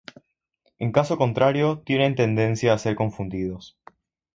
En caso contrario, tienen tendencia a ser confundidos.